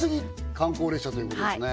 観光列車ということですね